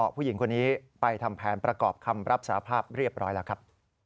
ผู้หญิงคนนี้ไปทำแผนประกอบคำรับสารภาพเรียบร้อยแล้วครับ